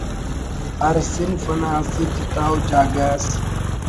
ہر صنف انا اسہ جتا ءُ جاگہ اس